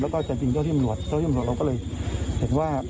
แล้วก็จะยิงเจ้าที่ตำรวจเจ้าที่ตำรวจเราก็เลยเห็นว่า